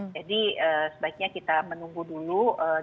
jadi sebaiknya kita menunggu dulu